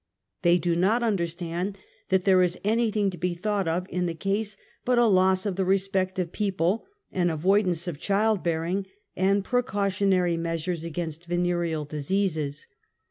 They do not understand that there is any , thing to be thought of in the case but a loss of the ^ respect of people, an avoidance of child bearing, and precautionarj^ measures against venereal diseases.